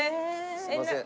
すみません。